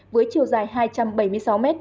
với chiều dài hai trăm bảy mươi sáu m